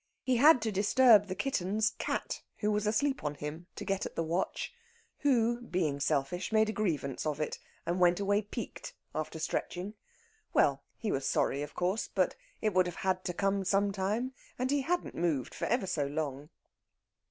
He had to disturb the kitten's cat, who was asleep on him, to get at the watch; who, being selfish, made a grievance of it, and went away piqued after stretching. Well, he was sorry of course, but it would have had to come, some time. And he hadn't moved for ever so long!